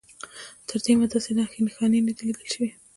تر دې دمه داسې نښې نښانې نه دي لیدل شوي.